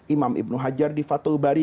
imam ibnu hajar di fatul bari